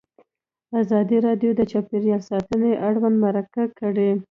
ازادي راډیو د چاپیریال ساتنه اړوند مرکې کړي.